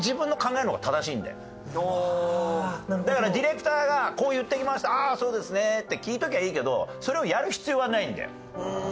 だからだからディレクターがこう言ってきましたああそうですねって聞いときゃいいけどそれをやる必要はないんだよ。